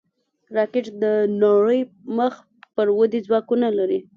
راکټ د نړۍ مخ پر ودې ځواکونه لري